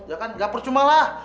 gak percuma lah